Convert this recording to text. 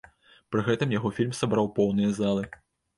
Пры гэтым яго фільм сабраў поўныя залы.